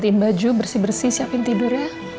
sudah istirahat ya